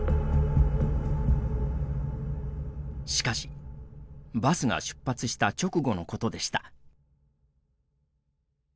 しかしバスが出発した直後のことでした。